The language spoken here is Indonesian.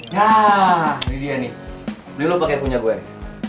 nah ini dia nih ini lo pake punya gue nih